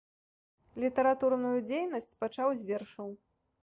Літаратурную дзейнасць пачаў з вершаў.